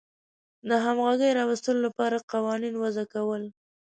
د همغږۍ راوستلو لپاره قوانین وضع کول.